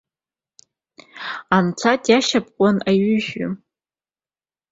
Анцәа диашьапкуан аҩыжәҩы.